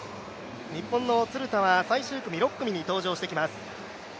日本の鶴田は最終組６組に登場してきます。